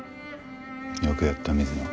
よくやった水野。